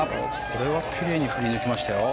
これはきれいに振り抜きましたよ。